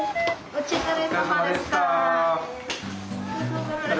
お疲れさまでした。